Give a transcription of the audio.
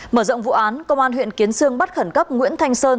mở rộng vụ án công an huyện kiến sương bắt khẩn cấp nguyễn thanh sơn